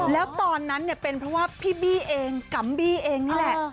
แล้วตอนนั้นเนี่ยเป็นเพราะว่าพี่บี้เองกัมบี้เองนี่แหละ